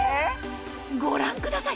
ご覧ください